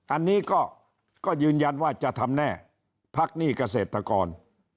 อันนี้ก็ยืนยันว่าจะทำแน่พักหนี้เกษตรกร